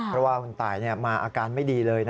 เพราะว่าคุณตายมาอาการไม่ดีเลย